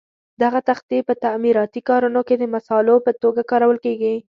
دغه تختې په تعمیراتي کارونو کې د مسالو په توګه کارول کېږي.